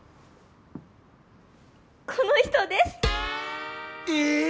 この人です。ええ！